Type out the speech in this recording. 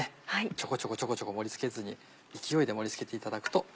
ちょこちょこちょこちょこ盛り付けずに勢いで盛り付けていただくと。